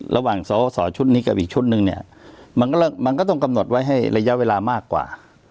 ระหว่างสอสอชุดนี้กับอีกชุดหนึ่งเนี่ยมันก็ต้องกำหนดไว้ให้ระยะเวลามากกว่า